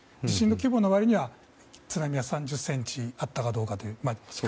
地震の規模の割には津波は３０ｃｍあったかどうかという。